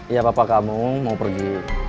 iya bapak kamu mau pergi